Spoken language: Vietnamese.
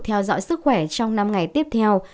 theo dõi sức khỏe trong năm ngày tiếp theo